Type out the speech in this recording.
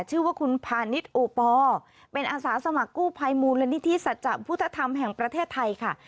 ชื่อว่าคุณพาณิชย์โอปอลเป็นอาสาสมัครกู้ภัยมูลนิธิสัจจะพุทธธรรมแห่งประเทศไทยค่ะ